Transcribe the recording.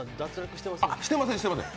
してません、してません。